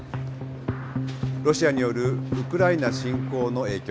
ロシアによるウクライナ侵攻の影響